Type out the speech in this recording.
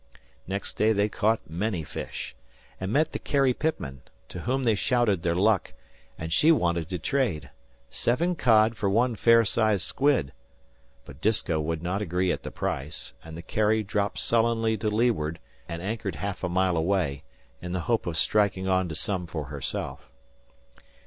Next day they caught many fish, and met the Carrie Pitman, to whom they shouted their luck, and she wanted to trade seven cod for one fair sized squid; but Disko would not agree at the price, and the Carrie dropped sullenly to leeward and anchored half a mile away, in the hope of striking on to some for herself.